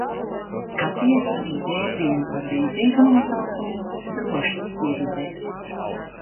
Skaties arī jēdzienu ar līdzīgu nosaukumu: Drošsirde.